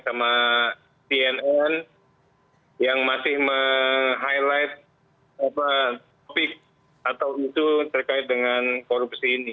sama cnn yang masih meng highlight topik atau isu terkait dengan korupsi ini